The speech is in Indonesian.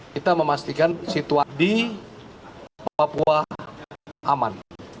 kita memastikan situasi papua aman